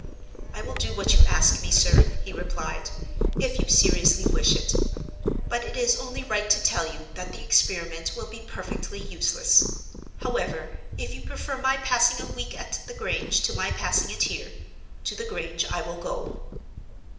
"I will do what you ask me, sir," he replied, "if you seriously wish it. But it is only right to tell you that the experiment will be perfectly useless. However, if you prefer my passing a week at the Grange to my passing it here, to the Grange I will go."